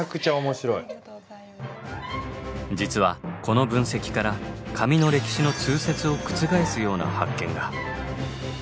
実はこの分析から紙の歴史の通説を覆すような発見が。